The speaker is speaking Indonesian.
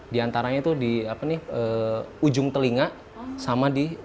di antaranya itu di ujung telinga sama di